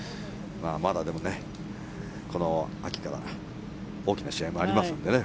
まだこの秋から大きな試合もありますのでね